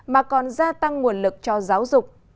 mà còn gia tăng nguồn lực cho giáo dục